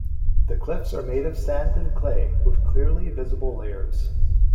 The cliffs are made of sand and clay with clearly visible layers.